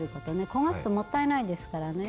焦がすともったいないですからね。